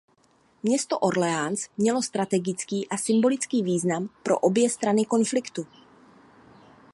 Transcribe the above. Město Orléans mělo strategický a symbolický význam pro obě strany konfliktu.